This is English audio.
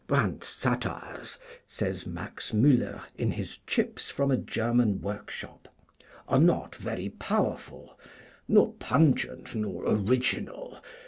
"Brandt's satires," says Max Müller in his 'Chips from a German Workshop,' "are not very powerful, nor pungent, nor original.